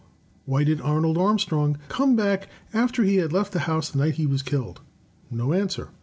Why did Arnold Armstrong come back after he had left the house the night he was killed? No answer.